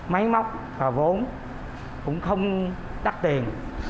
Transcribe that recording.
máy móc và vốn cũng không đắt tiền